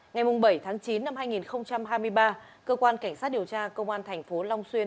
ngày bảy tháng chín năm hai nghìn hai mươi ba cơ quan cảnh sát điều tra công an thành phố long xuyên